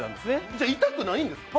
じゃあ痛くないんですか？